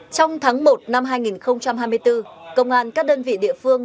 trong tháng một năm hai nghìn hai mươi bốn công an các đơn vị địa phương